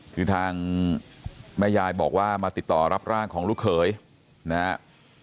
คือทางแม่ยายบอกว่ามาติดต่อรับร่างของลูกเขยนะครับ